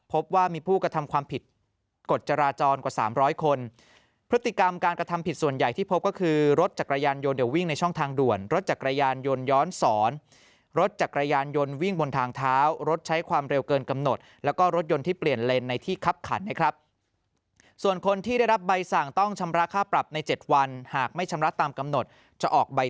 พบว่ามีผู้กระทำความผิดกฎจราจรกว่าสามร้อยคนพฤติกรรมการกระทำผิดส่วนใหญ่ที่พบก็คือรถจักรยานยนต์เดี๋ยววิ่งในช่องทางด่วนรถจักรยานยนต์ย้อนสอนรถจักรยานยนต์วิ่งบนทางเท้ารถใช้ความเร็วเกินกำหนดแล้วก็รถยนต์ที่เปลี่ยนเลนในที่คับขันนะครับส่วนคนที่ได้รับใบสั่งต้องชำระค่าปรับใน๗วันหากไม่ชำระตามกำหนดจะออกใบ